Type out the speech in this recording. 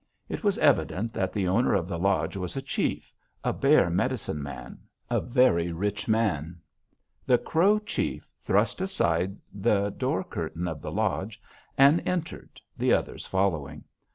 It was evident that the owner of the lodge was a chief, a bear medicine man, a very rich man. The Crow chief thrust aside the door curtain of the lodge, and entered, the others following.